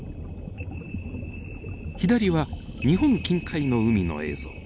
左は日本近海の海の映像。